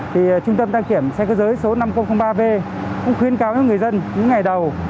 thì trung tâm đăng kiểm xe cơ giới số năm nghìn ba v cũng khuyến cáo cho người dân những ngày đầu